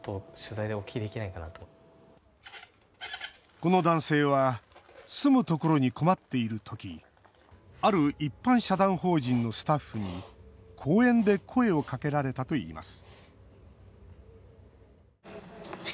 この男性は住むところに困っている時ある一般社団法人のスタッフに公園で声をかけられたといいます